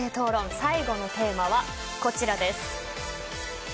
最後のテーマはこちらです。